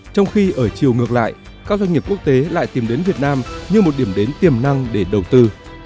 trong khi ở chiều ngược lại các doanh nghiệp quốc tế lại tìm đến việt nam như một điểm đến tiềm năng để đầu tư